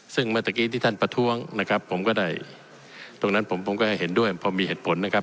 ซึ่งเมื่อตะกี้ที่ท่านประท้วงนะครับผมก็ได้ตรงนั้นผมผมก็ให้เห็นด้วยพอมีเหตุผลนะครับ